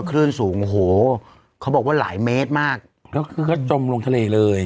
ขึ้นสูงเขาบอกว่าหลายเมตรมากแล้วเขาคือเขาจมลงทะเลเลย